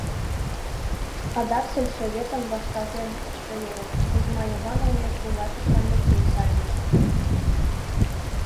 Адак сельсоветым вашталтен ойырышт, Кузьман Йыван олмеш вуйлатышылан Метрим сайлышт...